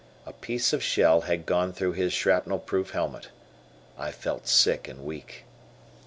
A piece of shell had gone through his shrapnel proof helmet. I felt sick and weak.